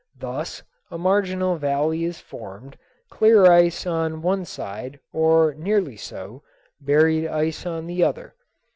Thus a marginal valley is formed, clear ice on one side, or nearly so, buried ice on the other.